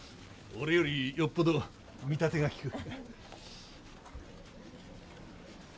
俺よりよっぽど見立てがきく。